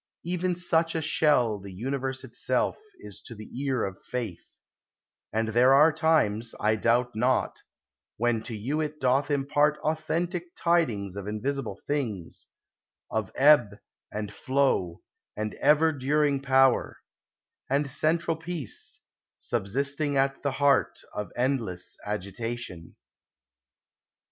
Even such a shell the universe itself Is to the ear of Faith ; and there are times, I doubt not, when to you it doth impart Authentic tidings of invisible things; Of ebb and flow, and ever during power; And central peace, subsisting at the heart Of endless agitation.